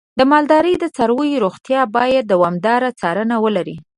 د مالدارۍ د څارویو روغتیا باید دوامداره څارنه ولري.